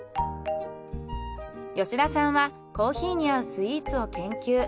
吉田さんはコーヒーに合うスイーツを研究。